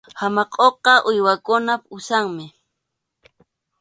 Hamakʼuqa uywakunap usanmi.